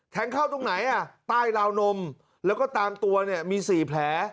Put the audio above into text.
เข้าตรงไหนอ่ะใต้ราวนมแล้วก็ตามตัวเนี่ยมี๔แผล